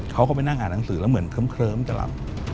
เขาก็ไปนั่งอ่านหนังสือแล้วเหมือนเคลิ้มจะหลับ